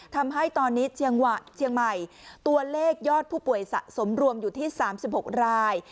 ทำให้ตอนนี้เชียงหวัดเชียงใหม่ตัวเลขยอดผู้ป่วยสะสมรวมอยู่ที่สามสิบหกราย